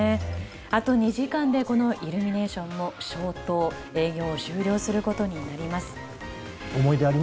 あと２時間でこのイルミネーションも消灯営業を終了することになります。